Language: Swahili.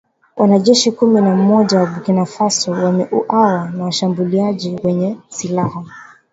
Wanajeshi kumi na mmoja wa Burkina Faso wameuawa na washambuliaji wenye silaha